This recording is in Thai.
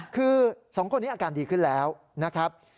คือ๒คนนี้อาการดีขึ้นแล้วนะครับ